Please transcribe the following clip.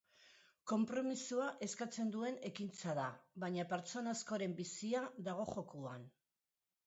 Konpromisoa eskatzen duen ekintza da, baina pertsona askoren bizia dago jokoan.